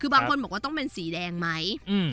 คือบางคนบอกว่าต้องเป็นสีแดงไหม